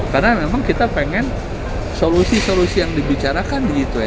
karena memang kita pengen solusi solusi yang dibicarakan di g dua puluh